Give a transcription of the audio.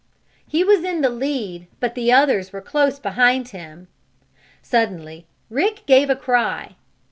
He was in the lead, but the others were close behind him. Suddenly Rick gave a cry.